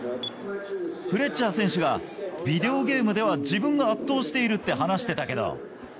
フレッチャー選手が、ビデオゲームでは自分が圧倒しているって話してたけど。